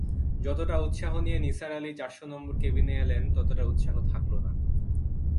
যতটা উৎসাহ নিয়ে নিসার আলি চারশো নম্বর কেবিনে এলেন ততটা উৎসাহ থাকল না।